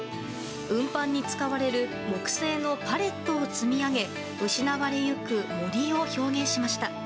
運搬に使われる木製のパレットを積み上げ失われゆく森を再現しました。